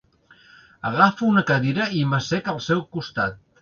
Agafo una cadira i m'assec al seu costat.